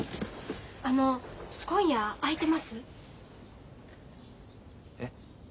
あの今夜あいてます？え？